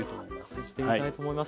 試してみたいと思います。